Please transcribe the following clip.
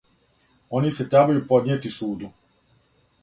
Они се требају поднијети суду.